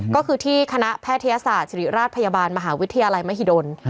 ก็คือที่คณะแพทยศาสตร์ศิริราชพยาบาลมหาวิทยาลัยมหิดล